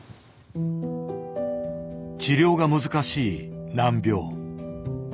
治療が難しい難病。